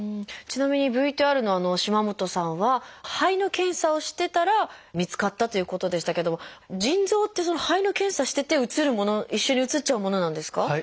ちなみにＶＴＲの島本さんは肺の検査をしてたら見つかったということでしたけれども腎臓って肺の検査してて写るもの一緒に写っちゃうものなんですか？